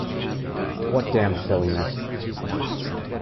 What damn silliness!